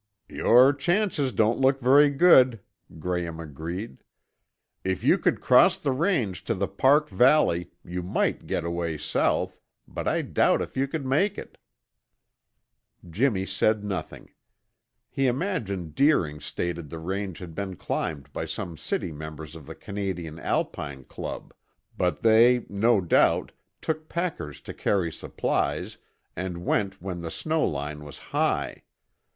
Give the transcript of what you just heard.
"Your chances don't look very good," Graham agreed. "If you could cross the range to the park valley, you might get away south, but I doubt if you could make it." Jimmy said nothing. He imagined Deering stated the range had been climbed by some city members of the Canadian Alpine Club; but they, no doubt, took packers to carry supplies and went when the snow line was high.